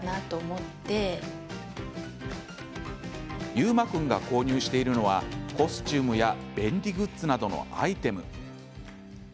悠真君が購入しているのはコスチュームや便利グッズなどのアイテム。